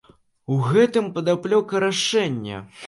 У гэтым падаплёка рашэння.